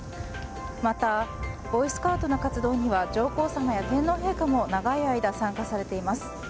また、ボーイスカウトの活動には上皇さまや天皇陛下も長い間、参加されています。